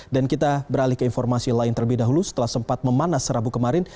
dan kita beralih ke informasi lain terlebih dahulu setelah sempat memanas serabu kemarin